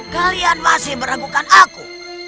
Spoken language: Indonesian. kalian masih meragukan aku